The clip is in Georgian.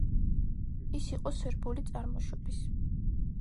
ის იყო სერბული წარმოშობის.